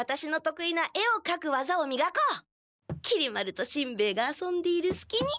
きり丸としんべヱが遊んでいるすきに！